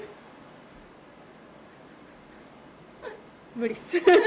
無理っす。